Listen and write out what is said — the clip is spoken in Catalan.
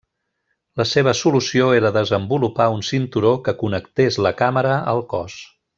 La seva solució era desenvolupar un cinturó que connectés la càmera al cos.